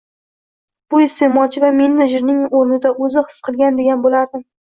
Bu isteʼmolchi va menejerning oʻrnida oʻzni his qilish degan boʻlardim.